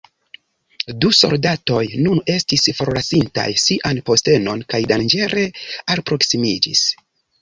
Du soldatoj nun estis forlasintaj sian postenon kaj danĝere alproksimiĝis.